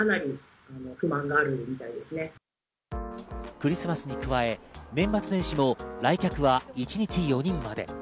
クリスマスに加え年末年始も来客は一日４人まで。